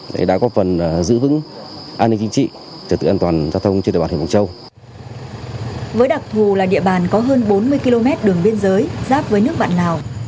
với đặc thù là địa bàn có hơn bốn mươi km đường biên giới giáp với nước bạn lào